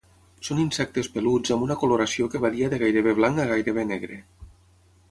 Són insectes peluts amb una coloració que varia de gairebé blanc a gairebé negre.